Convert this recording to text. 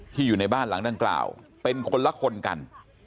อยู่ในบ้านหลังดังกล่าวเป็นคนละคนกัน